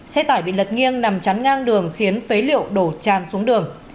xe tải bị lật nghiêng nằm chắn ngang đường khiến phế liệu đổ tràn xuống đường